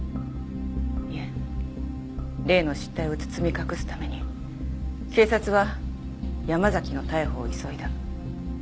いいえ例の失態を包み隠すために警察は山崎の逮捕を急いだ。